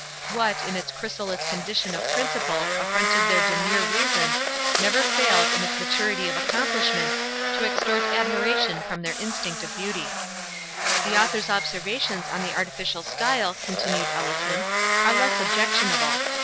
What, in its chrysalis condition of principle, affronted their demure reason, never fails, in its maturity of accomplishment, to extort admiration from their instinct of beauty. "The author's observations on the artificial style," continued Ellison, "are less objectionable.